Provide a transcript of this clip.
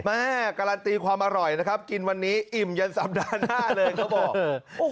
แม่การันตีความอร่อยนะครับกินวันนี้อิ่มยันสัปดาห์หน้าเลยเขาบอกเออ